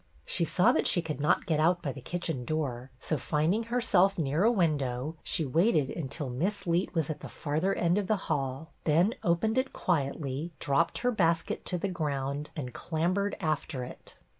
She saw that she could not get out by the kitchen door, so, finding herself near a window, she waited until Miss Leet was at the farther end of the hall, then opened it quietly, dropped her basket to the ground, and clambered after it.